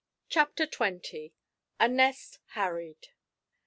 CHAPTER TWENTY. A NEST "HARRIED."